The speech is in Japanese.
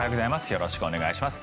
よろしくお願いします。